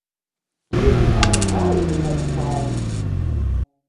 Der is in âlde frou yn it wetter fallen.